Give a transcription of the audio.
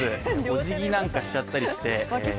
おじぎなんかしちゃったりして。